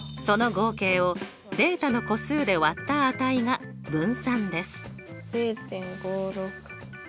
その合計をデータの個数で割った値が分散です。